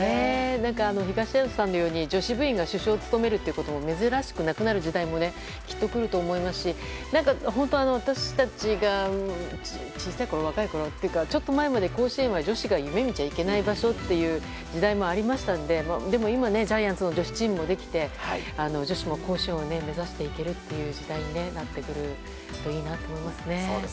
東尾さんのように女子部員が主将を務めることも珍しくなくなる時代もきっと来ると思いますし本当に私たちが小さいころ若いころちょっと前まで甲子園は女子が夢見ちゃいけない場所みたいな時代もありましたのででも今、ジャイアンツの女子チームもできて女子も甲子園を目指していける時代になってくるといいなと思いますね。